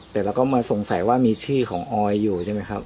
แต่เราก็มาสงสัยว่ามีชื่อของออยอยู่ใช่ไหมครับ